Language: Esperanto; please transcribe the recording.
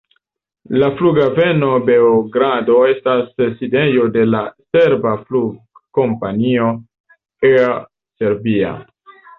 La Flughaveno Beogrado estas sidejo de la serba flugkompanio, Air Serbia.